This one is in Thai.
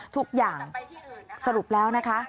ทุกอย่างสรุปแล้วนะคะ